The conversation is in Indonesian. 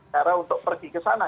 cara untuk pergi kesana